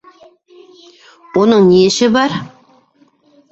Уның ни эше бар?